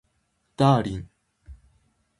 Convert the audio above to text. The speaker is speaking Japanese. ダーリン